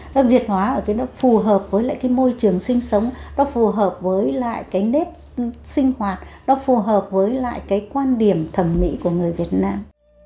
nó việt hóa ở cái nó phù hợp với lại cái môi trường sinh sống nó phù hợp với lại cái nếp sinh hoạt nó phù hợp với lại cái quan điểm thẩm mỹ của người việt nam